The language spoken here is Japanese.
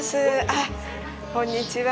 あっ、こんにちは。